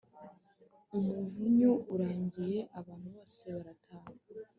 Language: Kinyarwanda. Umuvinyu urangiye abantu bose barataha